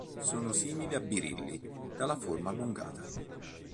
Sono simili a birilli dalla forma allungata.